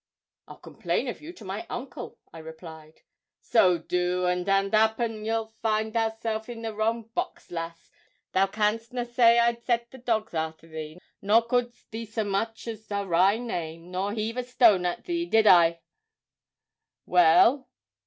'I'll complain of you to my uncle,' I replied. 'So do, and and 'appen thou'lt find thyself in the wrong box, lass; thou canst na' say I set the dogs arter thee, nor cau'd thee so much as a wry name, nor heave a stone at thee did I? Well?